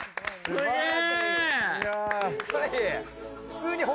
すげえ！